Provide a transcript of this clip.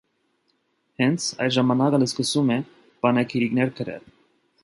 Հենց այդ ժամանակ էլ սկսում է պանեգիրիկներ գրել։